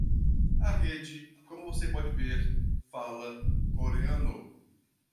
A rede, como você pode ver, fala coreano?